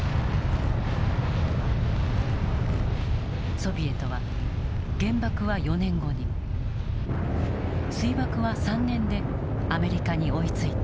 ソビエトは原爆は４年後に水爆は３年でアメリカに追いついた。